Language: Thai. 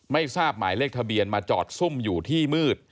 ไม่ทราบหมายเลขทะเบียนมาจอดซุ่มอยู่ที่มืด